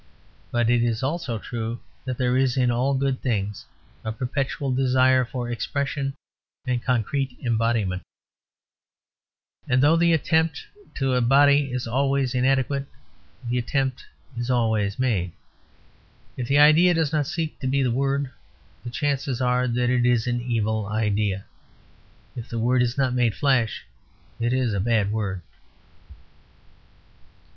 But it is also true that there is in all good things a perpetual desire for expression and concrete embodiment; and though the attempt to embody it is always inadequate, the attempt is always made. If the idea does not seek to be the word, the chances are that it is an evil idea. If the word is not made flesh it is a bad word.